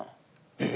「ええ？」。